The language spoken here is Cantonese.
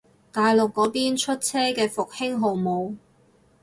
大陸嗰邊出車嘅復興號冇